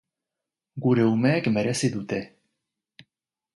Gure umeek merezi dute.